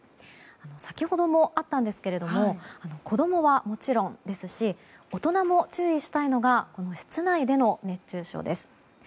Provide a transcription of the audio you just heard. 先ほどもあったんですが子供はもちろんですし大人も注意したいのが室内での熱中症です。